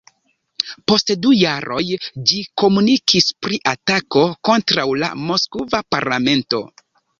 Post du jaroj ĝi komunikis pri atako kontraŭ la moskva parlamento.